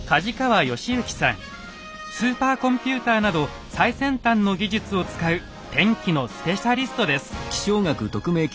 スーパーコンピューターなど最先端の技術を使う天気のスペシャリストです。